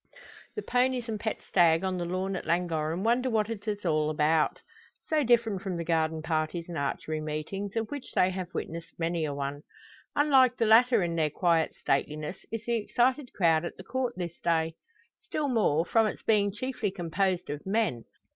The ponies and pet stag on the lawn at Llangorren wonder what it is all about. So different from the garden parties and archery meetings, of which they have witnessed many a one! Unlike the latter in their quiet stateliness is the excited crowd at the Court this day; still more, from its being chiefly composed of men.